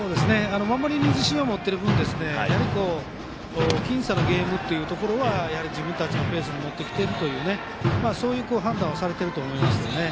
守りに自信を持っている分やはり僅差のゲームは自分たちのペースに持ってきているという判断をされていると思います。